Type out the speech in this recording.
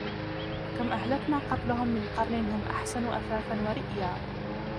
وَكَمْ أَهْلَكْنَا قَبْلَهُمْ مِنْ قَرْنٍ هُمْ أَحْسَنُ أَثَاثًا وَرِئْيًا